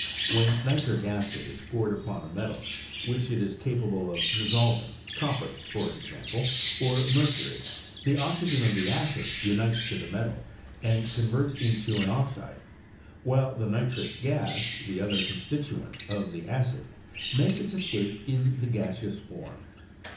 When nitric acid is poured upon a metal which it is capable of dissolving, copper for example, or mer cury, the oxygen of ^e acid unites to the metal, and converts into an oxide, while the nitrous gas, the other constituent of the acid, makes its escape in the gaseous form.